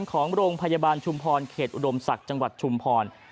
หรือห้องฉุกเฉินของโรงพยาบาลชุมพรเขตอุดมศักดิ์จังหวัดชุมพร